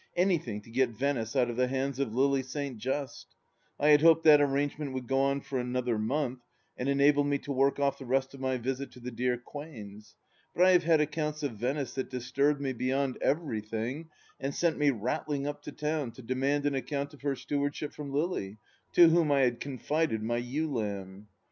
Anything to get Venice out of the hands of Lily St, Justl I had hoped that arrangement would go on for another month and enable me to work off the rest of my visit to the dear Quains, but I have had accounts of Venice that disturbed me beyond everything and sent me rattling up to town to demand an account of her stewardship from LUy, to whom I had confided my ewe lamb.